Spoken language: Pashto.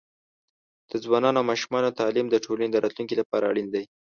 د ځوانانو او ماشومانو تعليم د ټولنې د راتلونکي لپاره اړین دی.